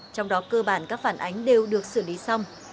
trong đó cơ bản các phản ánh đều được xử lý xong